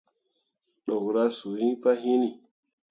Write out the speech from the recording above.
Ɗukra suu iŋ pah hinni.